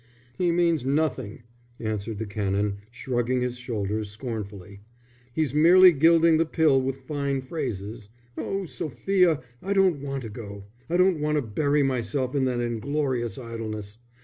"He means nothing," answered the Canon, shrugging his shoulders scornfully. "He's merely gilding the pill with fine phrases. Oh, Sophia, I don't want to go. I don't want to bury myself in that inglorious idleness.